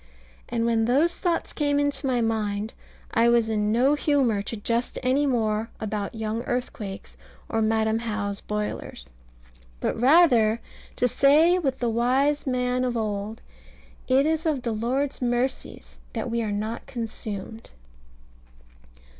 And when those thoughts came into my mind, I was in no humour to jest any more about "young earthquakes," or "Madam How's boilers;" but rather to say with the wise man of old, "It is of the Lord's mercies that we are not consumed."